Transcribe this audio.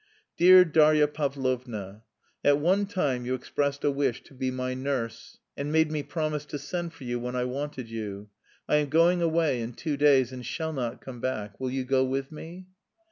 "Dear Darya Pavlovna, At one time you expressed a wish to be my nurse and made me promise to send for you when I wanted you. I am going away in two days and shall not come back. Will you go with me?